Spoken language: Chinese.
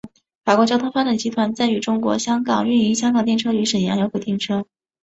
法国交通发展集团在中国与香港营运香港电车与沈阳有轨电车。